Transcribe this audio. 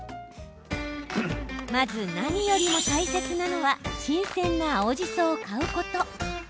まず何よりも大切なのは新鮮な青じそを買うこと。